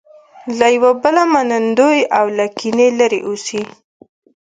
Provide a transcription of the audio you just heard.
له یو بله منندوی او له کینې لرې اوسي.